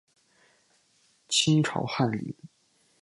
清朝翰林。